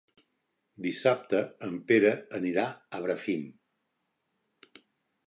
Dissabte en Pere anirà a Bràfim.